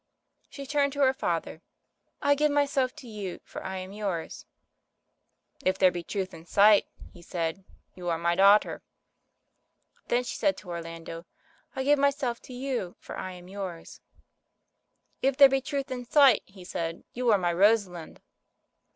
She turned to her father — "I give myself to you, for I am yours.' "If there be truth in sight," he said, "you are my daughter." Then she said to Orlando, "I give myself to you, for I am yours.* "If there be truth in sight," he said, "you are my Rosalind."